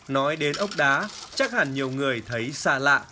nói đến ốc đá chắc hẳn nhiều người thấy xa lạ